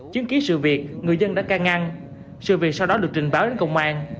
chứng ký sự việc người dân đã ca ngăn sự việc sau đó được trình báo đến công an